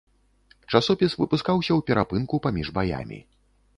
Часопіс выпускаўся ў перапынку паміж баямі.